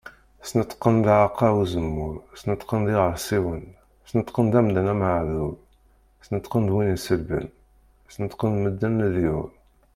Sneṭqen-d aɛeqqa uzemmur, Sneṭqen-d iɣersiwen, Sneṭqen-d amdan ameɛdur, Sneṭqen-d win iselben, Sneṭqen-d medden leḍyur.